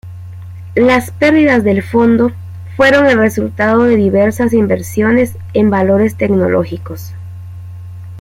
Las perdidas del fondo fueron el resultado de diversas inversiones en valores tecnológicos.